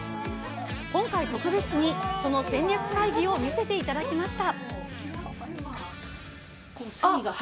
今回、特別に、その戦略会議を見せてくれました。